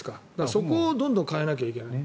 そこをどんどん変えなきゃいけないね。